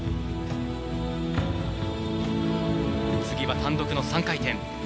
次は単独の３回転。